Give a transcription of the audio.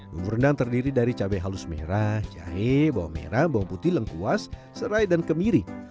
bumbu rendang terdiri dari cabai halus merah jahe bawang merah bawang putih lengkuas serai dan kemiri